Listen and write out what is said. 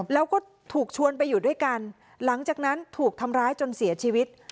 แล้วก็ถูกชวนไปอยู่ด้วยกันหลังจากนั้นถูกทำร้ายจนเสียชีวิต